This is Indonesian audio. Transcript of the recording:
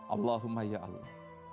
allahumma ya allah